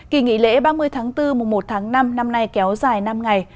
kỳ nghỉ lễ ba mươi tháng bốn mùa một tháng năm năm nay kéo dài năm ngày